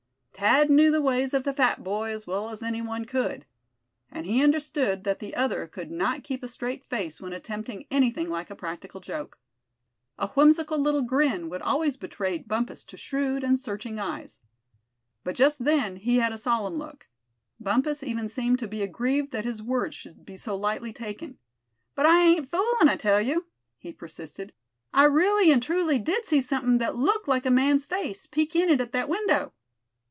Thad knew the ways of the fat boy as well as any one could. And he understood that the other could not keep a straight face when attempting anything like a practical joke. A whimsical little grin would always betray Bumpus to shrewd and searching eyes. But just then he had a solemn look. Bumpus even seemed to be aggrieved that his word should be so lightly taken. "But I ain't foolin', I tell you," he persisted. "I really and truly did see somethin' that looked like a man's face, peek in at that window!"